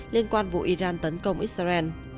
liên quan vụ iran tấn công israel